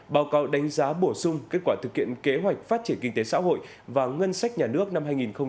báo cáo đánh giá bổ sung kết quả thực hiện kế hoạch phát triển kinh tế xã hội và ngân sách nhà nước năm hai nghìn một mươi chín